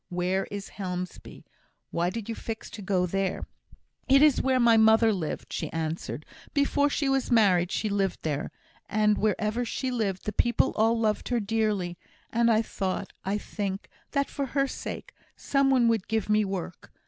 Where is Helmsby? Why did you fix to go there?" "It is where my mother lived," she answered. "Before she was married she lived there; and wherever she lived, the people all loved her dearly; and I thought I think, that for her sake some one would give me work.